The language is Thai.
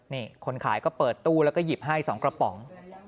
นี่คนขายก็เปิดตู้แล้วก็หยิบให้๒กระป๋อง